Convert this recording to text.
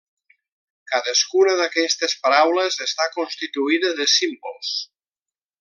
Cadascuna d'aquestes paraules està constituïda de símbols.